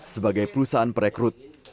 sebagai perusahaan perekrut